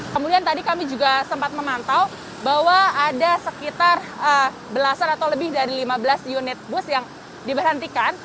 kemudian tadi kami juga sempat memantau bahwa ada sekitar belasan atau lebih dari lima belas unit bus yang diberhentikan